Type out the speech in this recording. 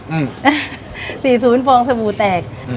อืมสี่ศูนย์ฟองสมูและแตกอืม